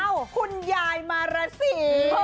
ของเราคุณยายมารัสสี